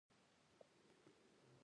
د دیر نواب د انګرېزانو ملګری دی.